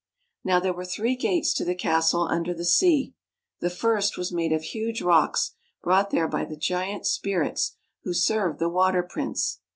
Now there were three gates to the castle under the sea. The first was made of huge rocks, brought there by the giant spirits who served the Water Prince.